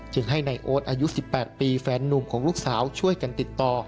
ให้นายโอ๊ตอายุ๑๘ปีแฟนนุ่มของลูกสาวช่วยกันติดต่อ